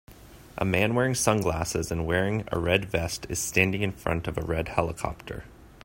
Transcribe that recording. A man wearing sunglasses and wearing a red vest is standing in front of a red helicopter.